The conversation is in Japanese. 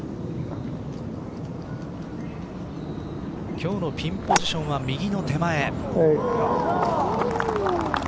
今日のピンポジションは右の手前。